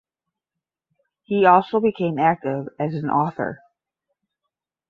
He also became active as an author.